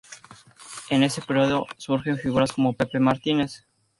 En ese período surgen figuras como Pepe Martínez.